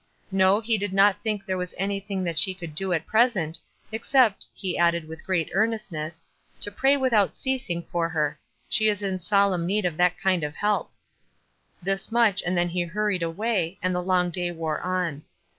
No, he did not think there was anything that she could do at present, except, he added with great earnestness, "To 'pray without ceasing' for her. She is in solemn need of that kind of help." Thus much, and then he hurried away, and the long day wore on.